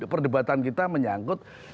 perdebatan kita menyangkut